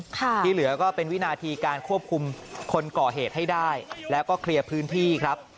ที่เหลือก็เป็นวินาทีการควบคุมคนก่อเหตุให้ได้แล้วก็เคลียร์พื้นที่ครับ